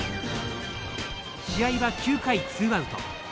試合は９回ツーアウト。